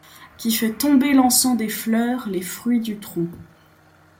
Qui fait tomber l’encens des fleurs, les fruits du tronc